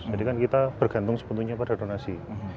kan kita bergantung sebetulnya pada donasi